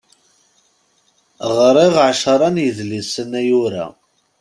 Ɣriɣ ɛecra n yidlisen ayyur-a.